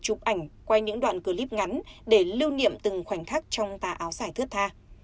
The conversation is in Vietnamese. chụp ảnh quay những đoạn clip ngắn để lưu niệm từng khoảnh khắc trong tà áo dài thước tha